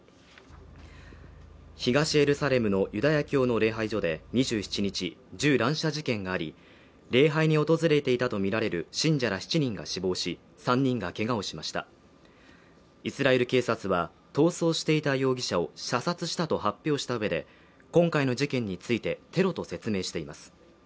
東エルサレムのユダヤ教の礼拝所で２７日銃乱射事件があり礼拝に訪れていたと見られる信者ら７人が死亡し３人がけがをしましたイスラエル警察は逃走していた容疑者を射殺したと発表した上で今回の事件についてテロと説明しています